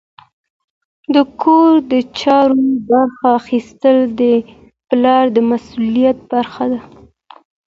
د کور د چارو برخه اخیستل د پلار د مسؤلیت برخه ده.